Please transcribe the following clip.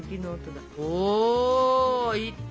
おいった！